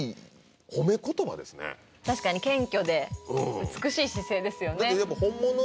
確かに謙虚で美しい姿勢ですよね